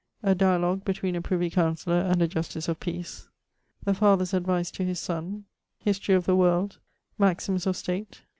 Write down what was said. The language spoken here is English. _ A dialogue between a Privy Councellor and a Justice of Peace. The father's advice to his son. Historie of the World. Maximes of State.